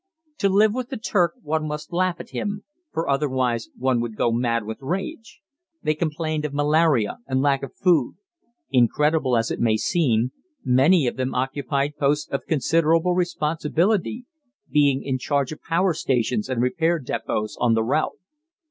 To live with the Turk one must laugh at him, for otherwise one would go mad with rage. They complained of malaria and lack of food. Incredible as it may seem, many of them occupied posts of considerable responsibility, being in charge of power stations and repair depots on the route.